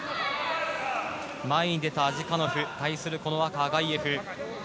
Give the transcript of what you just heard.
前に出たアジカノフ対するこの赤のアガイェフ。